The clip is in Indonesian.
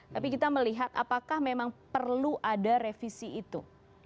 tapi kita melihat apakah memang perlu ada revisi itu